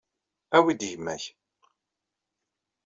Awi-d gma-k.